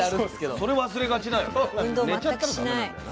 それ忘れがちだよね。